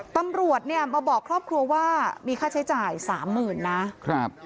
ตำรวจเนี่ยมาบอกครอบครัวว่ามีค่าใช้จ่ายสามหมื่นนะครับ